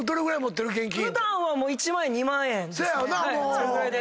それぐらいで。